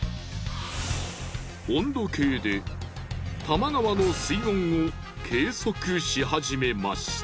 温度計で多摩川の水温を計測し始めました。